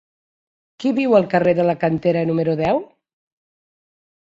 Qui viu al carrer de la Cantera número deu?